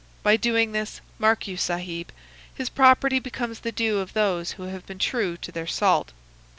By doing this, mark you, Sahib, his property becomes the due of those who have been true to their salt.